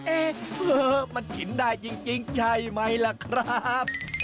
เอ๊ะมันกินได้จริงใช่ไหมล่ะครับ